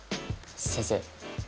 先生